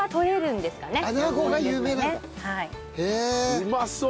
うまそう！